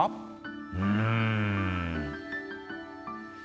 うん。